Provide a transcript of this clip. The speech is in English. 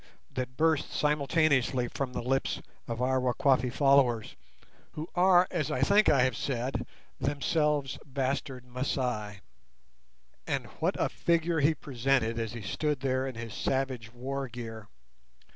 _" that burst simultaneously from the lips of our Wakwafi followers, who are, as I think I have said, themselves bastard Masai. And what a figure he presented as he stood there in his savage war gear!